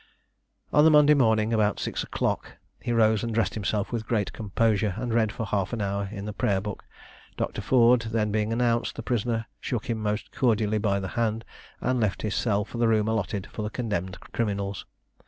On the Monday morning at about six o'clock he rose and dressed himself with great composure, and read for half an hour in the prayer book. Dr. Ford being then announced, the prisoner shook him most cordially by the hand, and left his cell for the room allotted for the condemned criminals.